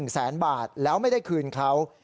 ๑แสนบาทแล้วไม่ได้คืนเขา